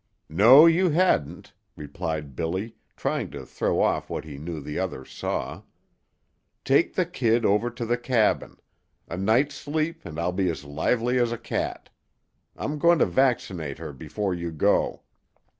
"No, you hadn't," replied Billy, trying to throw off what he knew the other saw. "Take the kid over to the cabin. A night's sleep and I'll be as lively as a cat. I'm going to vaccinate her before you go."